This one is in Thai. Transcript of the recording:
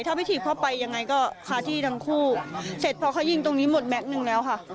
ถ้าไม่ถีบเข้าไปยังไงก็คาที่ทั้งคู่เสร็จพอเขายิงตรงนี้หมดแก๊กนึงแล้วค่ะ